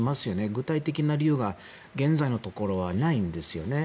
具体的な理由が現在のところはないんですよね。